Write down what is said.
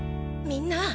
みんな。